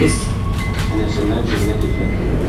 Энәсеннән җебенә тикле.